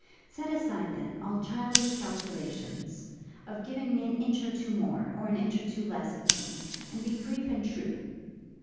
Set aside, then, all childish calculations, of giving me an inch or two more, or an inch or two less of pain, and be brief and true!'